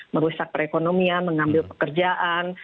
merusak perekonomian mengambil pekerjaan